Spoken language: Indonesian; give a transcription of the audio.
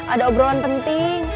ada obrolan penting